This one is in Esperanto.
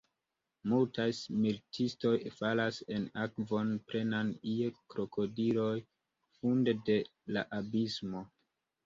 Multaj militistoj falas en akvon plenan je krokodiloj funde de la abismo.